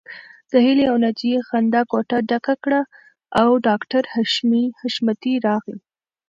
د هيلې او ناجيې خندا کوټه ډکه کړه او ډاکټر حشمتي راغی